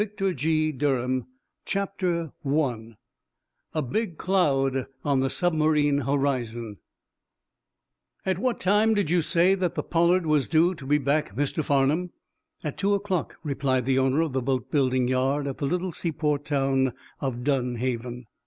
Conclusion CHAPTER I A BIG CLOUD ON THE SUBMARINE HORIZON "At what time did you say that the 'Pollard' was due to be back, Mr. Farnum?" "At two o'clock," replied the owner of the boat building yard at the little seaport town of Dunhaven.